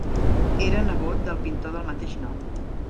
Era nebot del pintor del mateix nom.